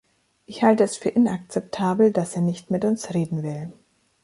Ich halte es für inakzeptabel, dass er nicht mit uns reden will.